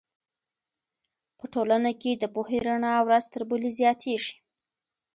په ټولنه کې د پوهې رڼا ورځ تر بلې زیاتېږي.